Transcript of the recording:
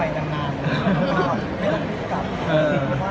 มีโครงการทุกทีใช่ไหม